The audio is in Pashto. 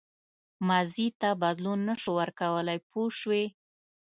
ماضي ته بدلون نه شو ورکولای پوه شوې!.